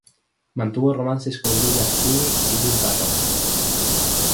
Mantuvo romances con Julia Sweeney y Jill Barron.